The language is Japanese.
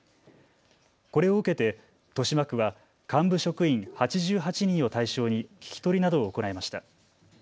これを受けて豊島区は幹部職員８８人を対象に聞き取りなどを行いました。